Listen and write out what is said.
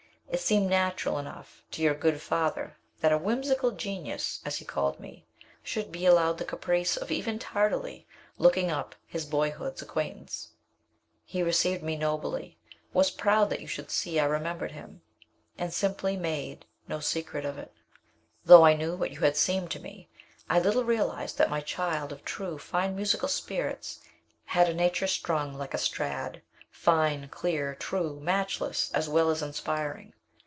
It seemed natural enough to your good father that 'a whimsical genius,' as he called me, should be allowed the caprice of even tardily looking up his boyhood's acquaintance. He received me nobly, was proud that you should see I remembered him and simply made no secret of it. "Though I knew what you had seemed to me, I little realized that the child of true, fine musical spirits had a nature strung like my Strad fine, clear, true, matchless, as well as inspiring.